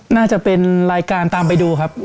น่าจะเป็นรายการตามไปดูครับ